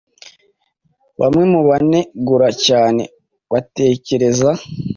bamwe mu banegura cyane batekereza